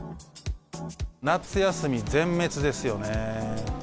夏休み、全滅ですよね。